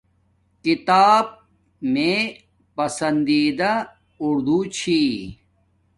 کتاب میں پسندیدہ اُودو چھی